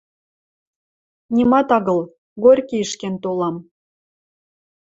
Нимат агыл, Горькийӹш кен толам.